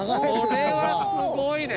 これはすごいね！